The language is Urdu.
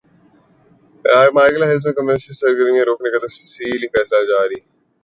مارگلہ ہلز میں کمرشل سرگرمیاں روکنے کا تفصیلی فیصلہ جاری